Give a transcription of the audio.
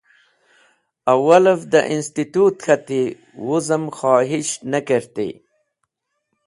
Awalev dẽ insitut k̃hati, wuzem khohish ne kerti.